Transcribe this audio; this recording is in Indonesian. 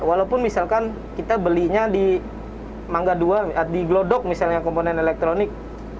walaupun misalkan kita belinya di mangga dua di glodok misalnya komponen elektronik